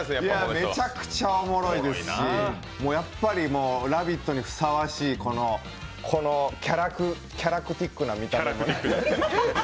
めちゃくちゃおもろいですし「ラヴィット！」にふさわしいこのキャラクティックな見た目。